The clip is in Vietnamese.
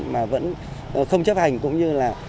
mà vẫn không chấp hành cũng như là